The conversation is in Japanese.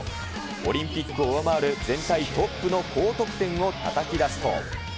オリンピックを上回る全体トップの高得点をたたき出すと。